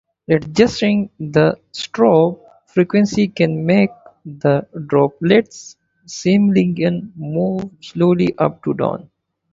Adjusting the strobe frequency can make the droplets seemingly move slowly up or down.